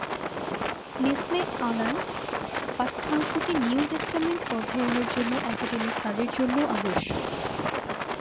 Nestle-Aland পাঠ্যাংশটি New Testament অধ্যয়নের জন্য একাডেমিক কাজের জন্যও আদর্শ।